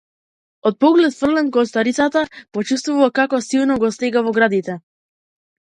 Од погледот фрлен кон старицата, почувствува како силно го стегна во градите.